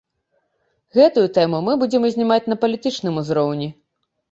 Гэтую тэму мы будзем узнімаць на палітычным узроўні.